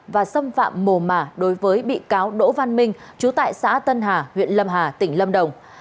và xâm phạm mồ mả đối với bị cáo đỗ văn minh chú tại xã tân hà huyện lâm hà tỉnh lâm đồng